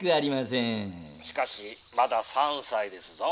「しかしまだ３歳ですぞ」。